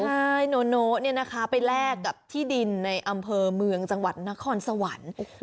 ใช่โน้ไปแลกกับที่ดินในอำเภอเมืองจังหวัดนครสวรรค์